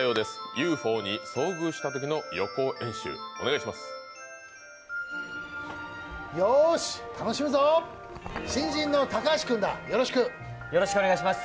ＵＦＯに遭遇したときの予行演習、お願いします。